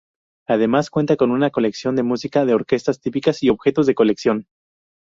Además, cuenta con una colección de música de orquestas típicas y objetos de colección.